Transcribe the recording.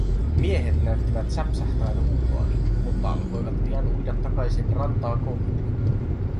Miehet näyttivät säpsähtävän huutoani, mutta alkoivat pian uida takaisin rantaa kohti.